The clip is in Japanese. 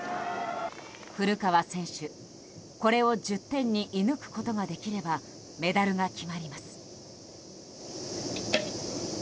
古川選手、これを１０点に射貫くことができればメダルが決まります。